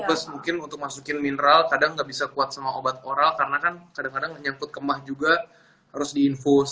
plus mungkin untuk masukin mineral kadang nggak bisa kuat sama obat oral karena kan kadang kadang nyangkut kemah juga harus diinfus